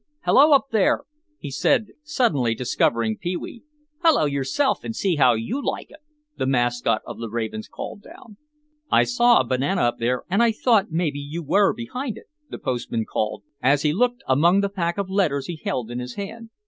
"Hello, up there," he said, suddenly discovering Pee wee. "Hello yourself and see how you like it," the mascot of the Ravens called down. "I saw a banana up there and I thought maybe you were behind it," the postman called, as he looked among the pack of letters he held in his hand.